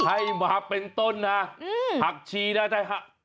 ให้มาเป็นต้นนะผักชีน่าจะ